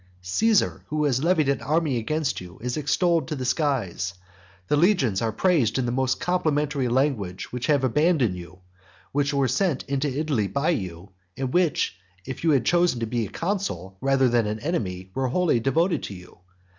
Caesar, who has levied an army against you, is extolled to the skies. The legions are praised in the most complimentary language, which have abandoned you, which were sent for into Italy by you; and which, if you had chosen to be a consul rather than an enemy, were wholly devoted to you.